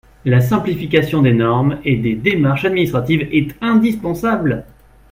La simplification des normes et des démarches administratives est indispensable.